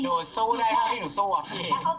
หนูสู้ได้เท่าที่หนูสู้อะพี่